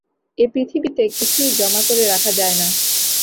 এ পৃথিবীতে কিছুই জমা করে রাখা যায় না।